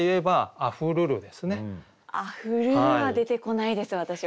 「あふるる」は出てこないです私は。